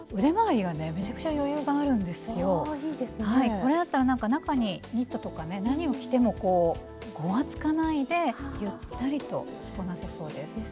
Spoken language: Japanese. これだったらなんか中にニットとか何を着てもごわつかないでゆったりと着こなせそうです。